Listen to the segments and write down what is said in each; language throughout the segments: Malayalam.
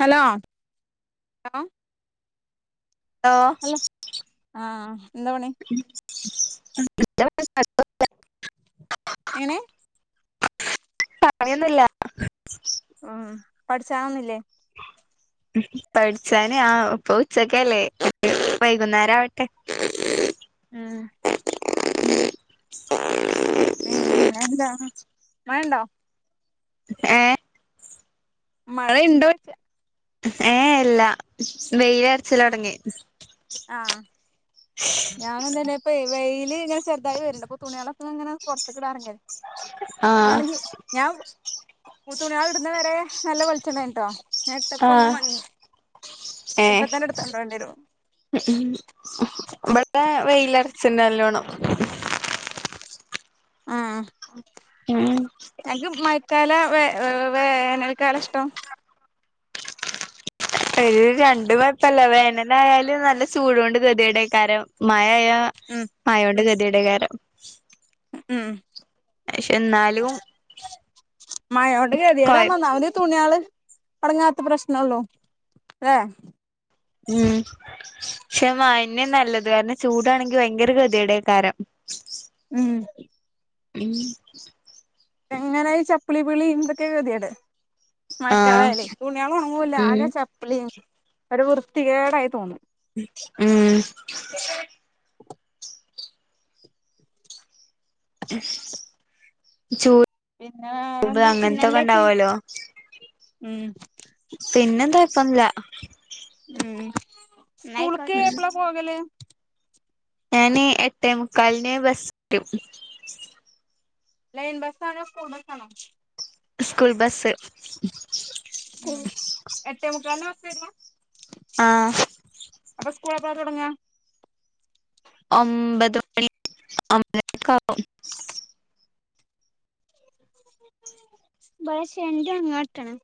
ഹലോ ഹലോ ഹലോ ആഹ് എന്താ പണി [unintelligible] എങ്ങനെ പണിയൊന്നുല്ല ഉം പഠിച്ചാനൊന്നും ഇല്ലേ പഠിച്ചാന് ആ ഇപ്പൊ ഉച്ചക്കല്ലേ വൈകുന്നേരം ആവട്ടെ ഉം [inaudible] ഉം ഉം എന്താ മഴണ്ടോ ഏ മഴ ഇണ്ടോ ചോയ്ച്ച ഏ എല്ലാ വെയില അരച്ചില തുടങ്ങി ഞാൻന്നെപ്പൊ വെയില് ഇങ്ങനെ ചെറുതായി വരണ്ട് അപ്പ തുണികളൊക്കെ ഇങ്ങനെ പുറത്തിടാറങ്ങേ വേണങ്കി ഞാൻ തുണികൾ ഇടുന്ന വരെ ഹലോ വിളിച്ചണ്ടേ കേട്ടോ ട്ടപ്പ ഒന്ന് ആഹ് മങ്ങി ഏ ഇപ്പത്തന്നെ എടുത്തിടേണ്ടി വരും ഇ വെയിലറച്ചിന്റെ നല്ലോണം ഉം ഞക്ക് മഴക്കാല വേർ വേനൽക്കാല ഇഷ്ടം ഒരു രണ്ടു പഴപ്പല്ല വേനലായാലും നല്ല ചൂടുണ്ട് ഗതിയുടെക്കാരം മഴ ഉം ആയോണ്ട് ഗതിയുടെ കാരം ഉം പക്ഷെ എന്നാലും മയോണ്ട് ഗതികേടാ കൊഴ നന്നാവന് തുണിയള് അടങ്ങാത്ത പ്രശ്നള്ളൂ അല്ലേ ഉം പക്ഷെ മയാന്നെ നല്ലത് കാരണം ചൂടാണെങ്കിൽ ഭയങ്കര ഗതിയുടെ കാരം ഉം ഉം എങ്ങനെ ചപ്പളിപളി ഇന്തൊക്കെ ഗെതികേട് ആഹ് മായക്കാലായല്ലേ ഉം തുണികലോണങ്ങുല്ലആകെ ചപ്പ്ളിയ ഒരു വൃത്തികേടായി തോന്നു ഉം ജോ പിന്നെ വേറെന്താ അങ്ങനത്തൊക്കെ ഉണ്ടാവല്ലോ ഉം പിന്നെന്താ ഇപ്പന്നില്ല ഉക്ക് എപ്പളാ പോകല്ലേ ഞാന് എട്ടേ മുക്കാലന് ബസ്രും ലൈൻ ബസ് ആണോ സ്കൂൾ ബസ് ആണോ സ്കൂൾ ബസ് എട്ടേ മുക്കാലോ ശരി ആ സ്കൂള പ തുടങ്ങ ഒമ്പത് മണി അമ്പക്ക ബക്ഷ എണ്ട അങ്ങാട്ടണം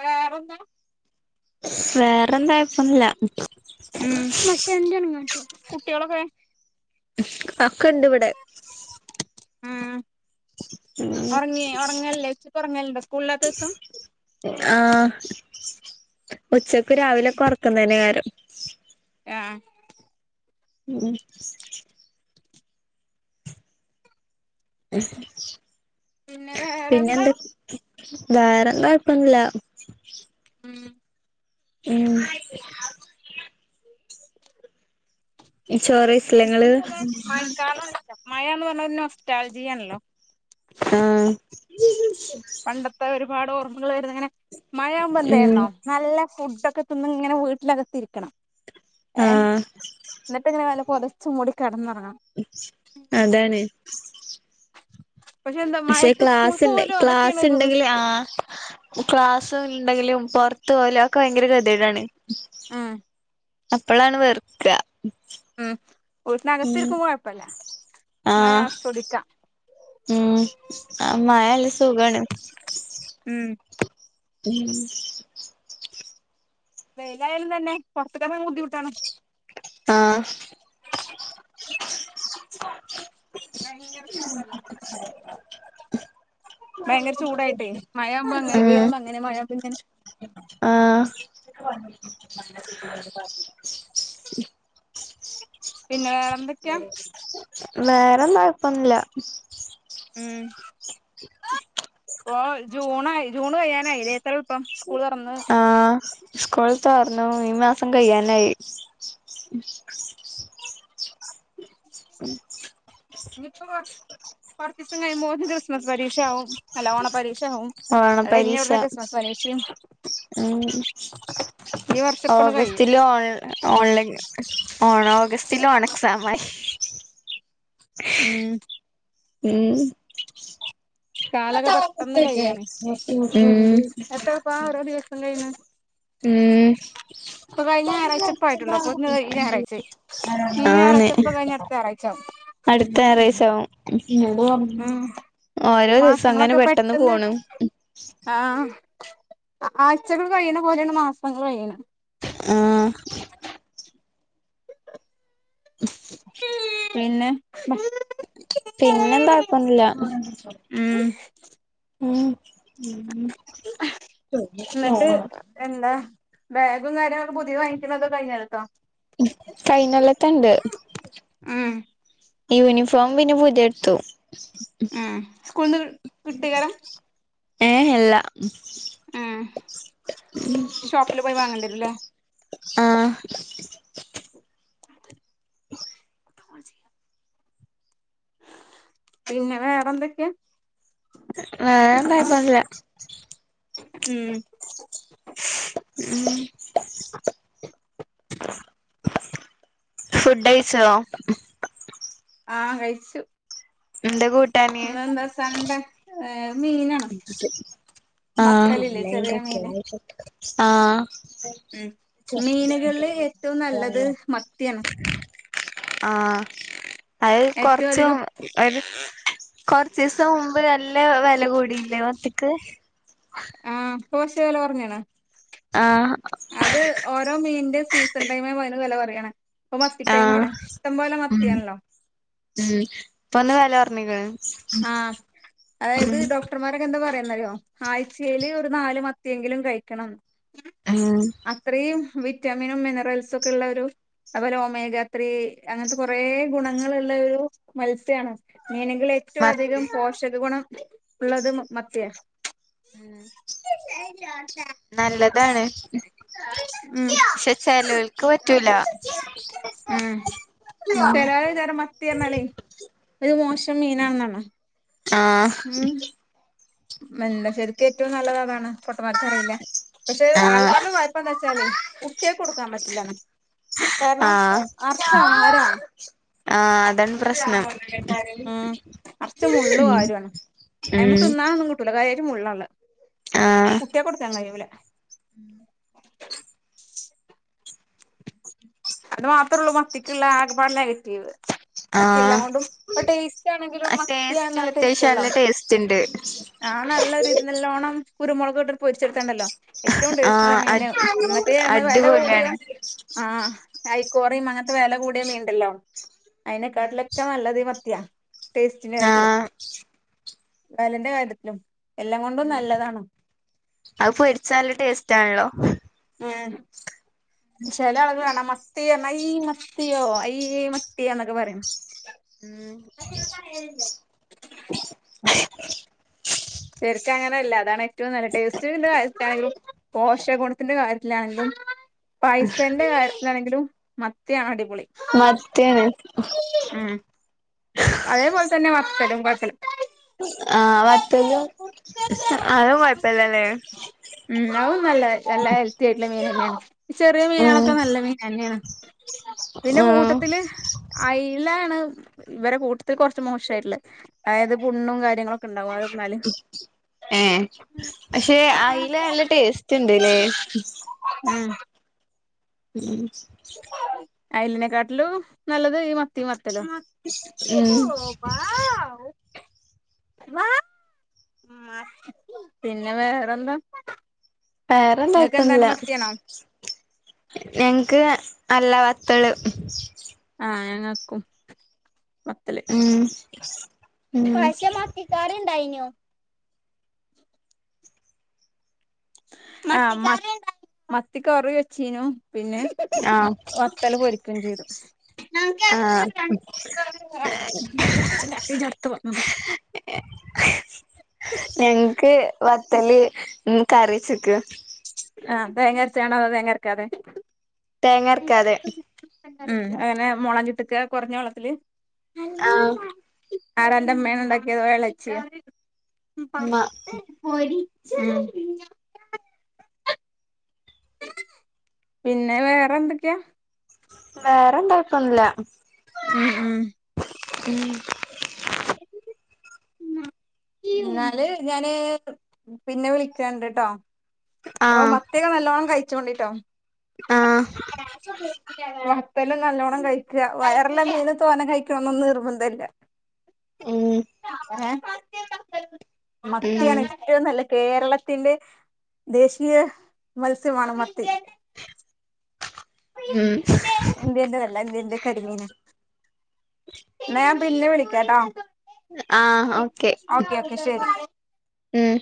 ഉ ഇറെന്താ വേറെന്തായ ശണല ഉം കുട്ടിയാളൊക്കെ അക്ക ഇണ്ട് ഇവിടെ ഉം ഉറങ്ങി ഉറങ്ങലേ ഉച്ചിക്ക് ഉറങ്ങലണ്ട്ോ സ്കൂളില്ലാത്ത ദിവസം ആ ഉച്ചക്ക് രാവിലെയൊക്കെ ഉറക്കുന്നന്നെ കാരം ആ ഉം എ പിന്നെ വേറെന്താ വേറെ കൊഴപ്പൊന്നില്ല മ ഉ ചോറ് കഴിച്ചില്ലേ നിങ്ങള് എനിക്ക്ന്തല്ല മ കാലം മയാന്ന് പറന്നോന്ന വസ്ാല ജിയയൻല്ല ആ പണ്ടത്തെ ഒരുപാട് ഓർമ്മകൾ വരുന്നു അങ്ങനെ മഴുമ്പോ ഉം എന്തണോ നല്ല ഫുഡെ കെതുംന്നും ങ്ങനെ വീട്ടിലകത്തിരിക്കണം ആ ന്നിട്ട് ഇങ്ങനെ വ ച്ച്മൂടി കെട്ന്നൊ അതാണ് പക്ഷെ എന്താ ക്ഷെ മഴത്ത് സ്കൂൾക്ക് ക്ലാസ്ണ്ട് പോലും അതൊക്കെയാണ് ക്ലാസ് ഒരു ണ്ടെങ്കില് റിസ്ക് ആ ക്ലാസ് ണ്ടെങ്കിലും പോറ്ത്ത് ഒരാക്ക് ഭയങ്കര കെത്യേടാണേ ആ അപ്പളാണ് വെർക്ക ഉം വിട്ടിനകത്തിരിക്കുമ്പോ കൊയ്പ്പല്ല ആ മഴ ആസ്വദിക്കാ ഉം ആ മയല്ല സുഖാണ് ഉം [unintelligible] വെയിലായാലും തന്നെ പോറ്ത്ത്‌ക്കെറ് ങ്ങ്ണത് ബുദ്ധിമുട്ടാണ് ആ ഭയങ്കര ചൂടല്ലേ ഭയങ്കര ചൂടായിട്ടേ മഴയാവുമ്പ അങ്ങനെ വെയ്ലാവുമ്പോ അങ്ങനെ മഴയാവുമ്പ ഇങ്ങനെ ആ പിന്നെേറെ ന്തൊക്കെയാ വേറെന്താ യ്പ്പൊന്നില്ല ഉം ഓ ജൂണായി ജൂണ് കയ്യാനായിലെ എത്ര എള്പ്പം സ്കൂൾ തോറ്ന്ന് ആഹ് സ്കൂൾ തോറ്ന്നു ഈ മാസം കഴ്യാനായി നിയിപ്പോ കൊറ്ച്ചീസം കഴിബോ ക്രിസ്മസ് പരീക്ഷയാവും അല്ല ഓണ പരീക്ഷവും അത് കയ്ഞ്ഞ ഉടനെ ക്രിസ്മസ് പരിഷിം ഉ ഇപ്പണ്ട് കഴിയും ഓഗസ്റ്റിലും ഓൺ ഓൺലൈൻ ഓണ് ഓഗസ്റ്റിലും ണ് എക്സാം ആയി [inaudible] ഉം ഉം [unintelligible] ഉം കാലൊക്കെ പെട്ടെന്ന് കഴിയാണ് എത്രപ്പാ ഓരോ ദിവസം കഴിയ്ണ് ഇപ്പൊ കഴിഞ്ഞ ഞായറാഴ്ച ഇപ്പ ആയിട്ടുള്ളൂ അപ്പോത്തിന് ഈ ഞായറാഴ്ചയായി ആ ഈ ന്ന് ഞായറാഴ്ച ഇപ്പൊ കഴിഞ്ഞ അടുത്ത ഞായറാഴ്ച ആവും അടുത്ത റായ്ച്ചാവും ഉം ഓരോ ദിവസം അങ്ങനെ മാസങ്ങളൊക്കെ പെട്ടന്ന് പെട്ടെന്ന് പോണ് ആഹ് ആഴ്ചകൾ കഴിയ്ണ പോലെണ് മാസങ്ങൾ കഴിയ്ണ് ആ പിന്നെ പിന്നെ ന്താ ഴപ്പോന്നില്ല ഉം ഉ ഉ എന്നിട്ട് എന്താ [unintelligible] കഴിഞ്ഞല്ലോത്തെ ണ്ട് ഉം [unintelligible] പിന്നെ പുതിയട്ത്തു ഉം സ്കൂള്ന്ന് കിട്ടെകാരം ഏ ഏ ല്ല ഉം ഷോപ്പില് പോയി വാങ്ങണ്ടരുല്ലേ ആ [unintelligible] പിന്നെ വേറെന്തക്കെ [unintelligible] ഉം ഉം ഫുഡയ്ച്ചോ? ആ കഴിച്ചു. എന്താ കൂട്ടാന്? ഇന്നെന്താ സൺഡേ ഏഹ് മീനാണ് ആഹ മത്തലില്ലേ ചെറിയ [unintelligible] മീന് ആഹ ഉം മീനുകളില് ഏറ്റവും നല്ലത് മത്തിയാണ് ആഹ അത് ഏറ്റവും കൊറച്ചും അധികം ഒരു കൊറചീസം മുമ്പ് നല്ല വില കൂടിയില്ലേ മത്തിക്ക്? കോശകല പറഞ്ഞണാ ആഹ് അപ്പൊ മത്തിടൈം ആഹ് ആണ് ഇഷ്ടംപോലെ ഉം മത്തിയാണല്ലോ. ഉം ഇപ്പൊ ഒന്ന് വെല കൊറഞ്ഞ്ക്ക്ണ് ആഹ അതായത് ഉം ഡോക്ടർമാരൊക്കെ എന്താ പറയാ. ആഴ്ചെൽ ഒരു നാല് മത്തിയെങ്കിലും കഴിക്കണം ഉം അത്രയും വിറ്റാമിനും മിനറൽസും ഒക്കെ ഉള്ള ഒരു അതുപോലെ ഒമേഗാത്രി അങ്ങനത്തെ കുറ ഗുണങ്ങളുള്ള മത്സ്യമാണ്െങ്ക [unintelligible] ഏറ്റവും അധികം മത്തി പോഷക ഗുണം ഉള്ളത് മത്തിയാ. ഉം നല്ലതാണ്. ഉം പക്ഷെ ചെലോൽക്ക് പറ്റൂല. ചേലോരെ വിചാരം മത്തി റഞ്ഞല്ലേ ഒരു മോശം മീനാണെന്നാണ്. ആഹ് അല്ല ശരിക്കും ഏറ്റവും നല്ലത് അതാണ്. പൊട്ടമാർക്ക് അറിയില്ല പക്ഷെ ആഹ് ആൾപ്പാടുള്ള വായ്പ എന്താ വച്ചാല് കുട്ടിയ കൊടുക്കാൻ പറ്റില്ലന്ന്. കാരണം ആഹ് നർച്ച ആരാണ്? ആഹ് അതാണ് പ്രശ്നം. ഉം അ്മ ഉം തിന്നന്നും കുട്ടൂല കയം മുള്ളള്ള ആഹ് കുട്ടിയെ കൊടുക്കാൻ കയൂല. അത് മാത്രേ ഉള്ളൂ മത്തിക്കുള്ള ആകപാട് നെഗറ്റീവ്. എല്ലാം ആഹ് കൊണ്ടും ടേസ്റ്റ് ആണെങ്കിലും മത്തി ടേസ്റ്റും നല്ല അത്യാവശ്യം ടേസ്റ്റ്ല്ലോ നല്ല ടേസ്റ്റ് ഉണ്ട് നല്ല രീതി നല്ലോണം കുരുമുളകട്ട പൊരിച്ചെടുത്തണ്ടല്ലോ ഏറ്റവും ടേസ്റ്റല്ല ആഹ് മീൻ അടി മറ്റേ നമ്മള് വില കൂടിയ അടിപൊളിയാണ് ആഹ് ഐക്കോറയും അങ്ങനത്തെ വില കൂടിയ മീണ്ടല്ലോ അതിനെക്കാട്ടിലൊക്കെ നല്ലതീ മത്തിയാ. ടേസ്റ്റിന്റെ കാര്യത്തിൽ ആഹ് വലന്റെ കാര്യത്തിലും. എല്ലാം കൊണ്ടും ഉം നല്ലതാണ് അത് പൊരിച്ച നല്ല ടേസ്റ്റാണല്ലോ. ആ ചെല ആൾകല് കാണാ മത്തിയോ അയ് മത്തിയോ അയ് മത്തിയോ എന്നൊക്കെ പറീൺ. ഉം ശെരിക്ക് അങ്ങനെല്ല അതാണ് ഏറ്റവും നല്ല ടേസ്റ്റ് [inaudible] പോഷകുണത്തിന്റെ കാര്യത്തിലാണെങ്കിലും പൈസന്റെ കാര്യത്തിലാണെങ്കിലും മത്തി അടി മത്യേണ് ഉം അതേപോലെ തന്നെ വത്തലും കൊയ് ആഹ വത്തല് ആതോ കൊഴപ്പില്ലല്ലേ? ഉം നല്ല നല്ല ഹെൽത്തി ആയിട്ട ചെറിയ ഉം മീനുകളൊക്കെ നല്ല മീൻ തന്നെയാണ്. പിന്നെ ഉം കൂട്ടത്തില് അയില്ലാണ്. ഇവരെ കൂട്ടത്തിൽ കുറച്ച് മോശമായിട്ടുള്ള അതായത് പുണ്ണും കാര്യങ്ങളൊക്കെ ഉണ്ടാകും അ ന്നാല് ഏഹ് പക്ഷെ അയ്ല നല്ല ടേസ്റ്റ്ണ്ട്ല്ലേ ഉം ഉം ഐലിനെ കാട്ടലു നല്ലത് ഈ മത്തി മ ഉം [unintelligible] പിന്നെ വേറെന്താ? വേറെ നിങ്ങൾക്ക് എന്താണ് [unintelligible] മത്തിയാണോ ഞങ്ങക്ക് അല്ല വത്തല്. ആ ഞങ്ങക്കും ഉം ഉം [unintelligible] ആ മ മത്തി കറി വെച്ചീനു. പിന്നെ ആഹ് വത്തൽ പൊരിക്കയും ചെയ്തു. ആഹ് [unintelligible] ഞങ്ങക്ക് ത്തല് കറിച്ചക്ക്. ആ തേങ്ങരച്ചാണോ അതോ തേങ്ങ അരക്കാതെ? തേങ്ങർക്കാതെ. ഉം അങ്ങനെ മുളക്കിട്ടക്ക കുറഞ്ഞ വെള്ളത്തില്? ആ. ആടന്റെമ്മേന ഉണ്ടാക്കിയത് ഉമ്മ [unintelligible] ഉം. പിന്നെ വേറെ എന്തൊക്കെയാ? വേറെന്താ [unintelligible] ഉം ഉം. ഉം [inaudible] എന്നാല് ഞാന് പിന്നെ വിളിക്കണ്ട്ട്ടോ. അപ്പൊ ആഹ് മത്തിയൊക്കെ നല്ലോണം കഴിച്ചോണ്ടിട്ടോ. [unintelligible] ആഹ് നല്ലോണം കഴിക്ക. വയറല്ലാം മീന് തോനെ കഴിക്കണന്നൊന്നും നിർബന്ധല്ല. ഉം ഏ മത്തിയാണ് ഉം ഏറ്റവും നല്ല കേരളത്തിന്റെ ദേശീയ മത്സ്യമാണ് മത്തി. ഉം ഇന്ത്യന്റെതല്ല, ഇന്ത്യന്റെ കരിമീനാ. പിന്നെ വിളിക്കാട്ടാ. ഓക്കെ ഓക്കെ ശരി. ഉം